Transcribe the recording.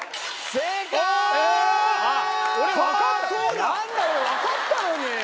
なんだよわかったのに！